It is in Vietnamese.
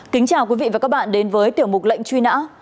kính chào quý vị và các bạn đến với tiểu mục lệnh truy nã